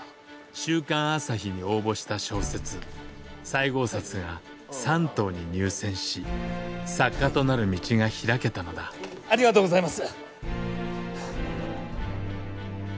「週刊朝日」に応募した小説「西郷札」が三等に入選し作家となる道が開けたのだありがとうございます！